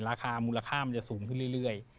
ราคามูลค่ามันจะสูงขึ้นเรื่อย